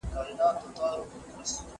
ولي د زده کوونکو فزیکي سزا منع ده؟